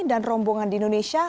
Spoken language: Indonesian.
dan rombongan di indonesia